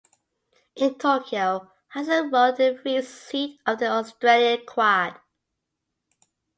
In Tokyo Hudson rowed the three seat of the Australian quad.